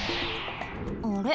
あれ？